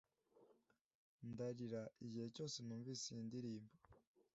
Ndarira igihe cyose numvise iyi ndirimbo.